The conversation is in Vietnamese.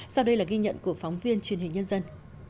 sau đây là ghi nhận của phóng viên truyền hình nhân dân